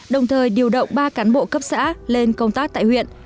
đồng thời điều động ba cán bộ cấp xã lên công tác tại huyện